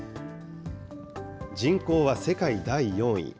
人口は世界第４位。